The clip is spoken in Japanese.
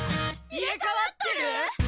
入れ替わってる！？